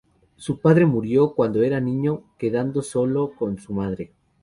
Su padre murió cuando era niño, quedando solo con su madre.